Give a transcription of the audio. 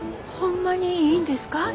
ホンマにいいんですか？